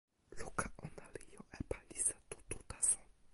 luka ona li jo e palisa tu tu taso.